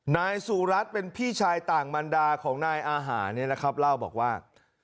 นายสุรัตน์เป็นพี่ชายต่างมันดาของนายอาหารเนี่ยนะครับเล่าบอกว่า